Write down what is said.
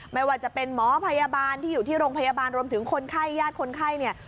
ไม่ว่าจะเป็นหมอพยาบาลที่อยู่ที่โรงพยาบาลรวมถึงคนไข้ญาติคนไข้เนี่ย